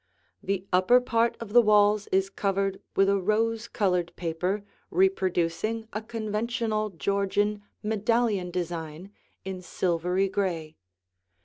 The upper part of the walls is covered with a rose colored paper reproducing a conventional Georgian medallion design in silvery gray.